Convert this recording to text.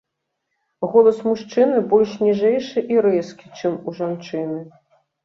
Голас мужчыны больш ніжэйшы і рэзкі, чым у жанчыны.